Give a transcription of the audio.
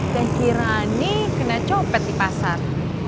ya kira kira ini kena copet di pasar